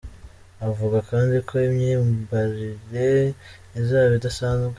Avuga kandi ko imyambarire izaba idasanzwe.